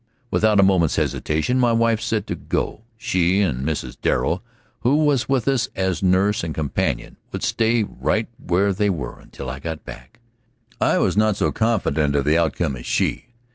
Without a moment's hesitation my wife said to go; she and Mrs. Darrow, who was with us as nurse and companion, would stay right where they were until I got back. I was not so confident of the outcome as she.